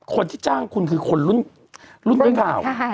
คนที่จ้างคุณคือคนรุ่นเป็นข่าว